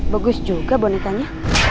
bagus juga bonekanya